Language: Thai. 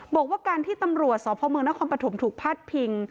บอกว่าการที่ตำรวจสพเมืองนครปฐมถูกพาดพิง